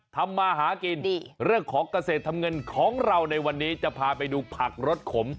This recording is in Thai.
ทำมาหากินเรื่องของเกษตรทำเงินของเราในวันนี้จะพาไปดูผักรสขม